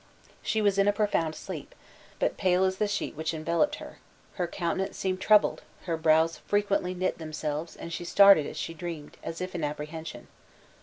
She was in a profound sleep, but pale as the sheet which enveloped her her countenance seemed troubled, her brows frequently knit themselves, and she started as she dreamed, as if in apprehension.